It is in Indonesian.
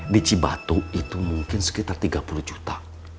di cibatu itu mungkin sekitar tiga puluh juta